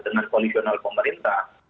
dengan koalisional pemerintah